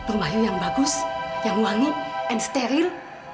rumah yu yang bagus yang wangi dan steril